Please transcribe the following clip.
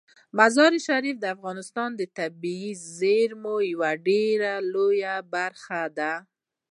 مزارشریف د افغانستان د طبیعي زیرمو یوه ډیره لویه برخه ده.